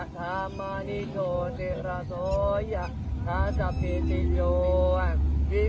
กล้องนี้ออกตอนไหนเนี่ยจะได้ดูถูกดูทุกวันเนี่ย